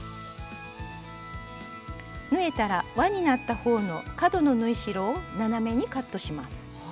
縫えたらわになった方の角の縫い代を斜めにカットします。